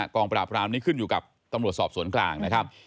กองปราบรามนี้ขึ้นอยู่กับตำรวจสอบสวนกลางนะครับ